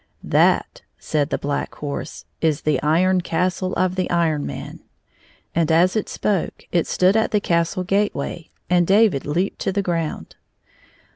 " That," said the Black Horse, " is the Iron Cas tle of the Iron Man." And as it spoke, it stood at the castle gateway, and David leaped to the ground.